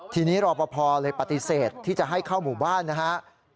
ทีนี้รอปภเลยปฏิเสธที่จะให้เข้าหมู่บ้านนะครับ